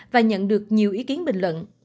và nhận được nhiều ý kiến bình luận